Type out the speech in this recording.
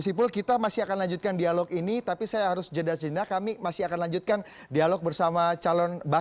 baik gus ipul kita masih akan lanjutkan dialog ini tapi saya harus jenaz jenaz kami masih akan lanjutkan dialog bersama calon bakal